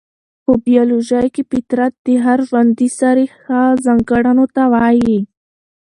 په بيالوژي کې فطرت د هر ژوندي سري هغو ځانګړنو ته وايي،